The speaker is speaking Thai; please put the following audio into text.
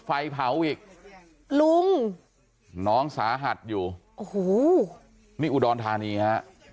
ไฟเผาอีกลุงน้องสาหัสอยู่โอ้โหนี่อุดรธานีฮะ